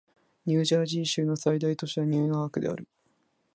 ニュージャージー州の最大都市はニューアークである